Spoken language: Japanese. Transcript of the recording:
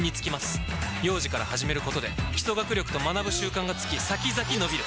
幼児から始めることで基礎学力と学ぶ習慣がつき先々のびる！